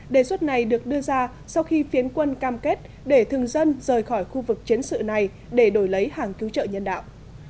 đề xuất này được đưa ra sau khi phiến quân cam kết để thường dân rời khỏi khu vực chiến sự này để đổi lấy hàng cứu trợ nhân đạo